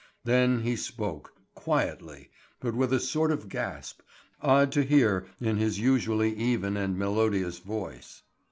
Then he spoke, quietly, but with a sort of gasp, odd to hear in his usually even and melodious voice.